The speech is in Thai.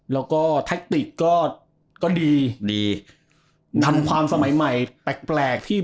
แล้วก็แตคติคก็ก็ดีดีนำความสมัยใหม่แปลกที่